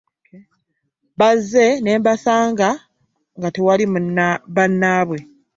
Bazze ne basanga nga tewali bannaabwe.